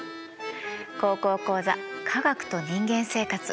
「高校講座科学と人間生活」